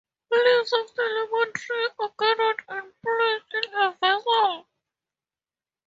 Leaves of the lemon tree are gathered and placed in a vessel.